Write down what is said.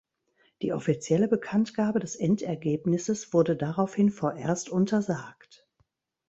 Die offizielle Bekanntgabe des Endergebnisses wurde daraufhin vorerst untersagt.